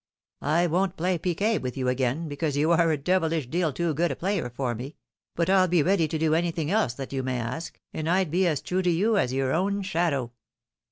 I won't play piquet with you again, because you are a devilish deal too good a player for me ; but m be ready to do anything else that you may ask, and I'd be as true to you as your own shadow."